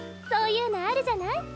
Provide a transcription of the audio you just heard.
そういうのあるじゃない？